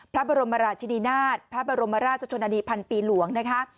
พระบรมราชินีนาฏพระบรมราชชนนานีพันปีหลวงนะคะ